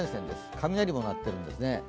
雷も鳴ってるんですね。